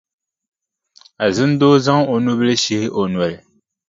Azindoo zaŋ o nubila shihi o noli.